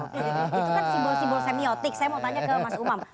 itu kan simbol simbol semiotik saya mau tanya ke mas umam